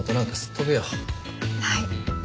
はい。